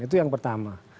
itu yang pertama